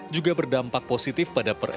juga berdampak positif pada perekonomian